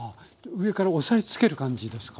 上から押さえつける感じですか？